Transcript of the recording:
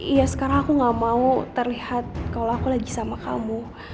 iya sekarang aku gak mau terlihat kalau aku lagi sama kamu